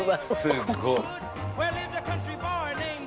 「すごっ」